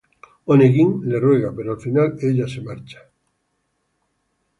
Oneguin le ruega, pero al final ella se marcha.